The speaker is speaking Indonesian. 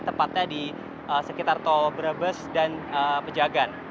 tepatnya di sekitar tol brebes dan pejagan